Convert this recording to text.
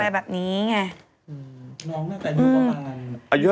อืมน้องต้องการอะไร